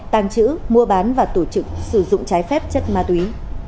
tàng trữ mua bán và tổ chức sử dụng trái phép chất ma túy